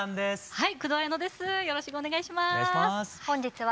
はい。